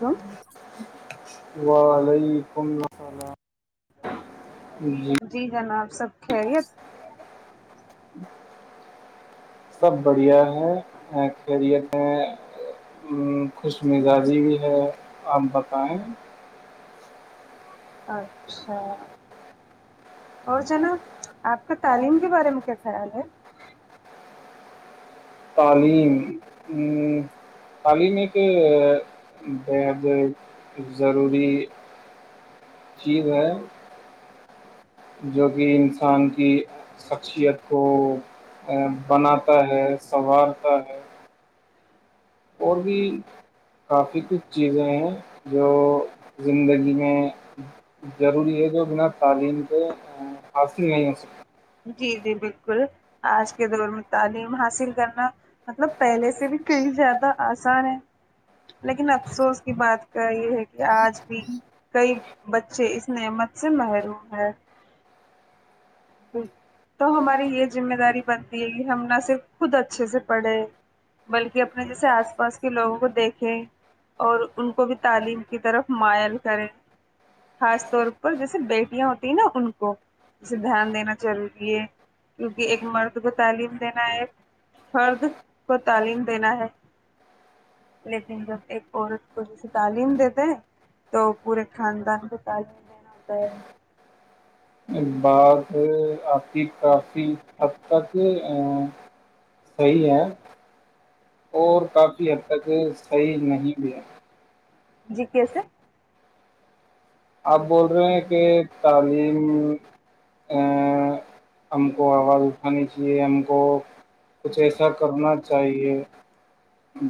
ہم وعلیکم السلام [unintelligible] جی جناب سب خیریت جی سب بڑھیا ہے خیریت ہیں ہوں خوش مزاجی بھی ہے اب بقائ اچھا اور جناب آپ کا تعلیم کے بارے میں کیا خیال ہے تعلیم ہ تعلیم ایک بےحد ضروری جیز ہے جو کہ انسان کی شخصیت کو بناتا ہے سنوارتا ہے اور بھی کافی کچھ چیزیں ہیں جو زندگی میں ضروری ہے جو بنا تعلیم کے ہ ہاؤس نہیں آ جی جی بالکل آج کے دور میں تعلیم حاصل کرنا مطلب پہلے سے بھی کہئی زیادہ آسان ہے لیکن افسوس کی بات کری ہیں کہ آج بھی کئی بچے اس نعمت سے محروم ہیں جی تو ہماری یہ ذمہ داری بن کہ ہم نہ صرف خود اچھے سے پڑھے بلکہ اپنے جیسے آس پاس کے لوگوں کو دیکھے اور ان کو بھی تعلیم کی طرف مائل کرے خاص طور پر جیسے بیٹیاں ہوتی ہیں نا ان کو جسے دھیان دینا ضروری ہے کیونکہ ایک مرد کو تعلیم دینا ہے ایک فرد کو تعلیم دینا ہے لیکن جب ایک عورت کو جے تعلیم دیتے ہیں تو پورے خاندان کو تعلیم دینا ہوتا ہے بات آپ ج کافی حب تک صحی ہے اور کافی حد تک صحیح نہیں بھی ہے جی کیسے آپ بول رہے ہیں کہ تعلیم ہم کو آواز اٹھانی چاہیے ہم کو کچھ ایسا کرنا چاہیے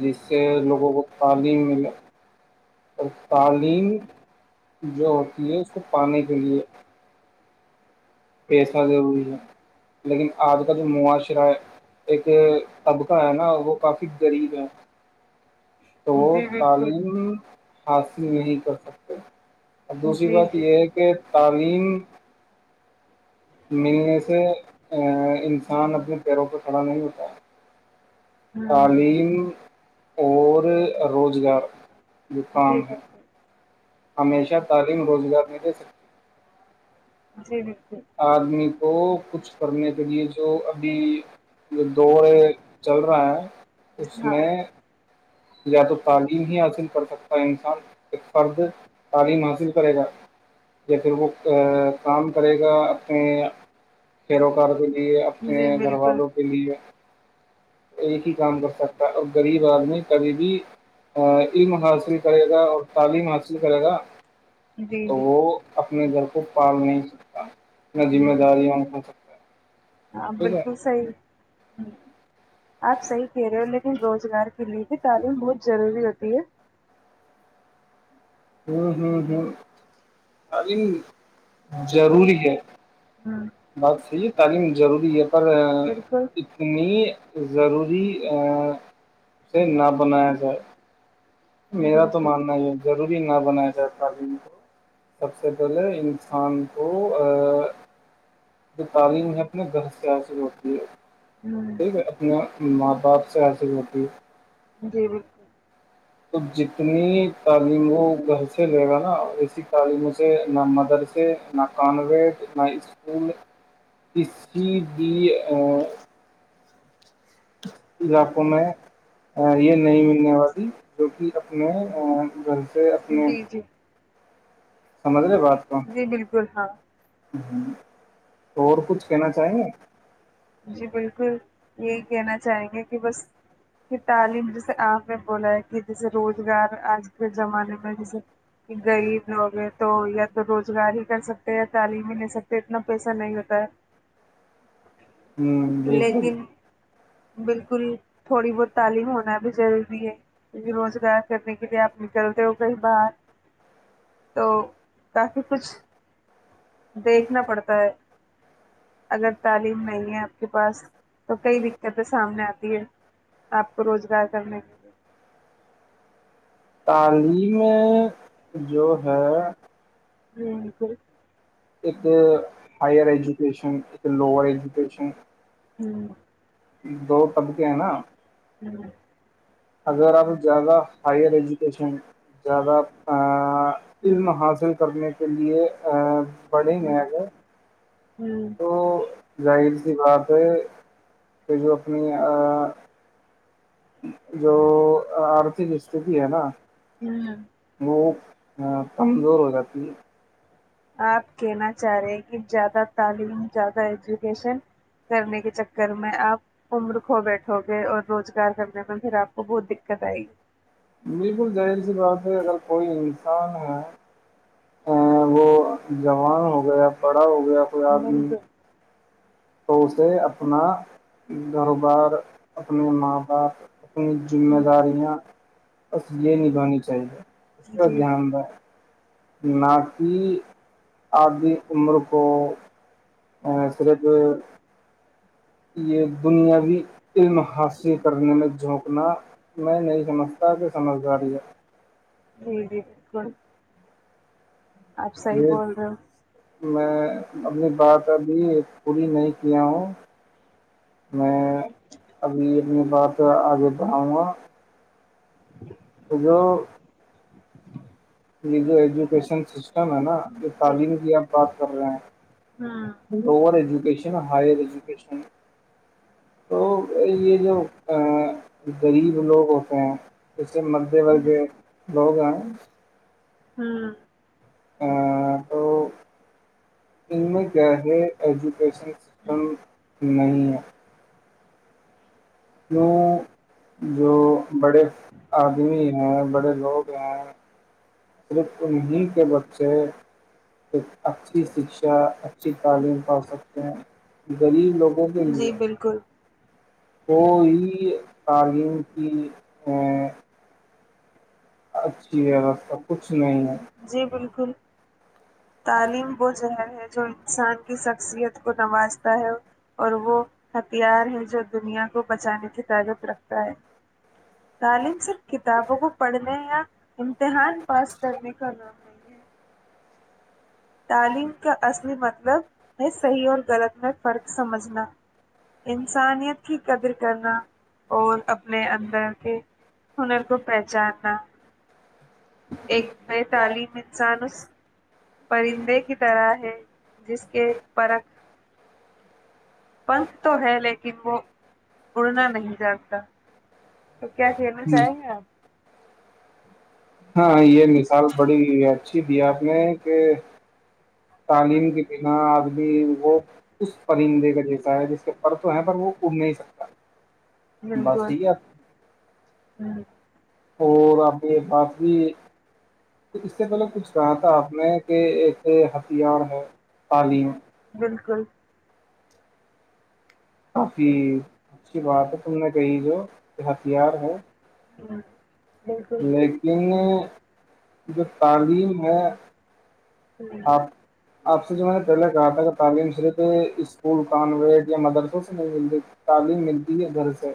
جس سے لوگوں کو تعلیم ملے اور تعلیم جو ہوتی ہے اس کو پانے کے لئے پیسہ ضروری ہے لیکن آج کال جو معاشرہ ایک طبقہ ہے نا وہ کافی غریب ہے تو جی بالکل تعلیم حاصل نہیں کر سکتے دوسری جی بات جی یہ ہے کہ تعلیم ملنے سے انسان اپنے پیروں پ کھڑا نہیں ہوتا ہے ہوں تعلیم اور روزگار جو جی کام ہے بالکل ہمیشہ تعلیم روزگار نہیں دے سکتی جی جی ادمی کو کچھ کرنے کے لیے جو ابھی دور چل رہا ہے اس ہاں میں یا تو تعلیم ہی حاصل کر سکتا ہے انسان ایک فرد تعلیم حاصل کرے گا یا پھر وہ کام کرے گا اپنے کھییر وکار کے لیے اپنے جی گھر بالکل والوں کے لیے ایک ہی کام کر سکتا ہے اور غریب آدمی کبھی بھی علم حاصل کرے گا اور تعلیم حاصل کرے گا جی تو جی وہ اپنے گھر کو پال نہیں سکتا نہ ذمہ داریاں ہو سکتا ہاں ٹھیک بالکل ہے صحی جی آپ صحی کہہ رہے ہو روزگار کے لیے بھی تعلیم بہت ضروری ہوتی ہے ہوں ہوں ہوں ابم ضروری ہے ہوں بات صحیح ہے تعلیم ضروری ہے پر بالکل اتنی ضروری اسے نہ بنایا جائے میرا تو بالکل ماننا ہی ہے ضروری نہ بنایا جائے تعلیم کو سب سے پہلے انسان کو تو جو تعلیم ہے اپنے گھر سے حاصل ہوتی ہے ہوں ٹھیک ہے اپنے ماں باپ سے حاصل ہوتی ہے جی بالکل سب جی اتنی تعلیم و گہ چل جے گا نا دیسی تعلیموں سے نہ مدرسے نہ کانوینٹ نہ اسکول کی بھی علاقوں میں یہ نہیں ملنے والی جو کہ اپنے گھر سے اپنے جی جی سمجھ جی بالکل ہاں ہوں ہوں تو اور کچھ کہنا چاہیں گے جی بالکل یہی کہنا چاہیں گے کہ بس تعالم جیسے آپ میں بولا ہے کہ جیسے روزگار آج کے زمانے میں جیسے گغریب ہوغیر تو یا تو روزگار ہی کر سکتے ہیں یا تعلیم ہی لے سکتے اتنا پیسہ نہیں ہوتا ہے ہوں بالکل لیکن بالکل تھوڑی بہت تعلیم ہونا بھی ضروری ہے کیکہ روزگار کرنے کے لیے آپ نکلتے ہو کہیں باہر تو کافی کچھ دیکھنا پڑتا ہے اگر تعلیم نہیں ہے کے پاس تو کئی دقتیں سامنے آتی آپ کو روزگار کرنے کے لیے تعلیم جو ہے ہوں کو [unintelligible] ایک ہائر ایجوکیشن ایک لوور ایجوکیشن ہوں دو طبکے ہیں نا ہوں اگر آپ زیادہ ہائر ایجوکیشن زیادہ علم حاصل کرنے کے لے پڑھیں گے اگر ہوں تو ظاہر سی بات ہے کہ جو اپنی جو آرتھک استتی ہے نا ہوں وہو ہاں کمزور ہو جاتی آپ کہنا چاہ رہے ہیں کہ زیادہ تعلیم زیادہ ایجوکیشن کرنے کے چکر میں آپ عمر کھو بیٹھو گے اور روزگار کرنے میں پھر آپ کو بہت دقت آئے گی بالکل جظاہر سی بات ہے اگر کوئی انسان ہے ا وہ جوان ہو گیا بڑا ہو گیا کوئی آدمی بالکل تو اسے اپنا گاروبار اپنے ماں باپ اپنی ذمہ داریاں بس یہ نبھانی چاہیے اس کا جی دھیان دیں نہاک آدی عمر کو صرف یہ دنیاوی علم حاصل کرنے میں جھونکنا میں نہیں سمجھتا کہ سمجھداری ہے جی بالکل آپ صحیح یہ بول رہے ہو میں اپنی بات ابھی پوری نہیں کیا ہوں میں ابھی اپنی بات آگے بڑھاؤں گا ااں ہاں یہ جو ایجوکیشن سسٹم ہے نا یہ ہوں تعلیم کی آپ بات کر رہے ہیں لور ایجوکیشن ہائر ایجوکیشن تو یہ جو غریب لوگ ہوتے ہیں جیسے مدھیہ ورگ لوگ ہیں ہوں تو ان میں کیا ہے ایجوکیشن سسٹم نہیں کیوں جو بڑے آدمی ہیں بڑے لوگ ہیں صرف انہیں کے بچے ایک اچھی شکشا اچھی تعلیم پا سکتے ہیں غریب لوگوں کے لیے جی بالکل کوئی تعلیم کی اچھی ووستھا کچھ نہیں ہے جی بالکل تعلیم بہت زظہر ہے جو انسان کی شخصیت کو نوازتا ہے اور وہ ہتھیار ہے جو دنیا کو بچانے کی تعلق رکھتا ہے تعلیم صرف کتابوں کو پڑھنے یا امتحان پاس کرنے کا نام نہیں ہے تعلیم کا اصلی مطلب ہے صحیح اور غلط م فرق سمجھنا انسانیت کی قدر کرنا اور اپنے اندر کے ہنر کو پہچاننا ایک بے تعلیم انسان اس پرندے کی طرح ہے جس کے پرکھ پنکھ تو ہے لیکن وہ اڑنا نہیں جانتا تو کیا کہنا چاہیں گے آپ ہاں یہ مثال بڑی اچھی دی آپ نے کہ تعلیم کے بنا آدمی وہ اس پرندے کا جیسا ہے جس کے پر تو ہیں پر وہ اڑ نہیں سکتا بس بالکل۔ یہی ہیں ہوں۔ اور اپنی باسی [unintelligible] اس سے پہلے کچھ کہا تھا آپ نے کہ ایک ہتھیار ہے تعلیم بالکل۔ کافی اچھی بات ہے تم نے کہی جو یہ ہتھیار ہے ہوں۔ بالکل لیکن جو تعلیم ہے آپ آپ سے جو میں نے پہلے کہا تھا کہ تعلیم صرف اسکول کانوینٹ یا مدرسوں سے نہیں ملتی تعلیم ملتی ہے گھر سے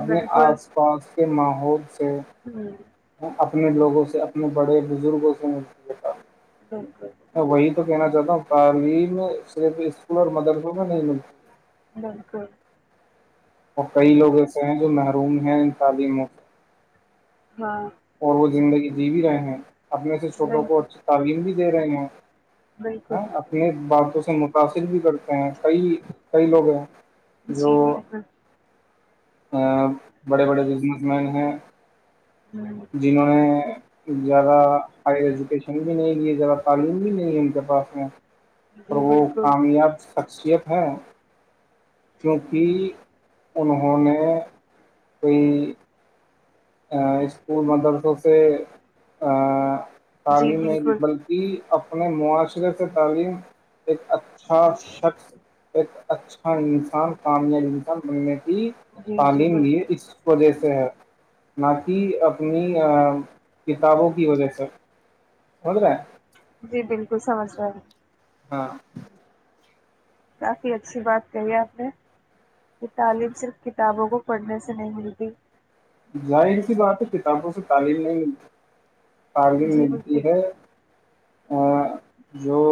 اپنے آس پاس کے ماحول سے ہوں۔ اپنے لوگوں سے اپنے بڑے بزرگوں سے ملتی ہےتعلیم بالکل۔ میں وہی تو کہنا چاہتا ہوں تعلیم میں صرف اسکول اور مدرسوں میں نہیں ملتی بالکل اور کئی لوگ ایسے ہیں جو محروم ہیں ان تعلیموں سے ہاں اور وہ زندگی جی بھی رہے ہیں اپنے سے چھوٹوں کو بالکل اچھی تعلیم بھی دے رہے ہیں بالکل اپنی باتوں سے متاثر بھی کرتے ہیں کئی کئی لوگ ہیں جو جی بالکل بڑے بڑے بزنس مین ہیں جنہوں نے زیادہ ہائیر ایجوکیشن بھی نہیں کی زیادہ تعلیم بھی نہیں ہے ان کے پاس میں اور وہ ہوں، کامیاب شخصیت ہیں کیونکہ انہوں نے کوئی اسکول مدرسوں سے جی بالکل جی تعلیم نہیں بالکل بلکہ اپنے معاشرے سے تعلیم ایک شخص اچھا انسان کامیاب انسان بننے کی جی جی تعلیم بھی بالکل اس وجہ سے ہے نہ کہ اپنی کتابوں کی وجہ سے سمجھ رہے ہیں جی بالکل کچھ سمجھ رہے ہاں کافی اچھی بات کہی ہے آپ نے یہ تعلیم صرف کتابوں کو پڑھنے سے نہیں ملتی ظاہ کسی بات ہے کتابوں سے تعلیم نہیں ملتی تعغم جی ملتی ہے بالکل ا جو جی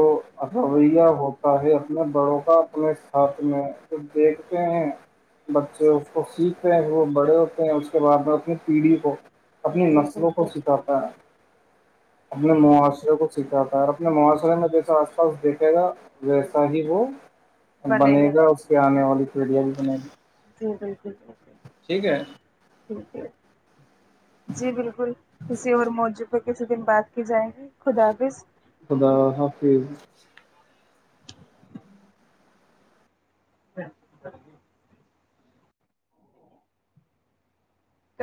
رویہ ہوتا ہے اپنے بڑوں کا اپنے ساتھ میں جو دیکھتے ہیں بچے اس کو سیکھتے ہیں وہ بڑے ہوتے ہیں بعد میں اپنی پیڑھی کو اپنی بالکل نسلوں کو سکھاتا ہے اپنے معاشرے کو سکھاتا ہے اور اپنے معاشرے میں جیسا آس پاس دیکھے گا ویسا ہی وہ بنے گا اس کی آنے والی پیڑیا بھی بنے گی جی جی ٹھیک ہے ٹیک ہے [inaudible] جی بالکل کسی اور موجوود ہ بات کی جائے گی خدا حافظ خدا حافظ ہ [unintelligible]